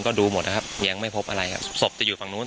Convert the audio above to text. ก็ดูหมดนะครับยังไม่พบอะไรครับศพจะอยู่ฝั่งนู้น